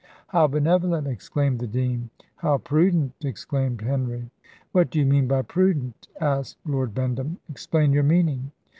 "How benevolent!" exclaimed the dean. "How prudent!" exclaimed Henry. "What do you mean by prudent?" asked Lord Bendham. "Explain your meaning."